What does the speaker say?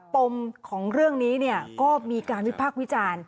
ปมของเรื่องนี้ก็มีการวิพากษ์วิจารณ์